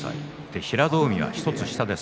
平戸海は１つ下です。